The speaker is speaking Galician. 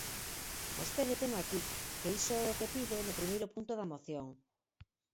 Vostede teno aquí, que iso é o que pide no primeiro punto da moción.